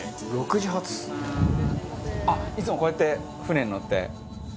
「６時発」「いつもこうやって船に乗って？」